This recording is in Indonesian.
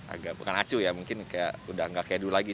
agak bukan acu ya mungkin kayak udah gak kayak dulu lagi